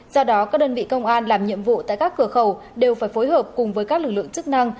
do đó các đơn vị công an làm nhiệm vụ tại các cửa khẩu đều phải phối hợp cùng với các lực lượng chức năng